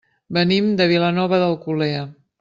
Venim de Vilanova d'Alcolea.